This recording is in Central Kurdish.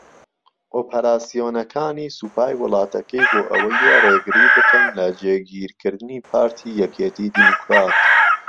ئۆپەراسیۆنەکانی سوپای وڵاتەکەی بۆ ئەوەیە رێگری بکەن لە جێگیرکردنی پارتی یەکێتی دیموکرات